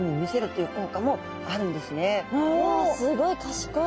うわすごい賢い。